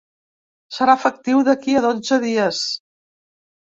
Serà efectiu d’aquí a dotze dies.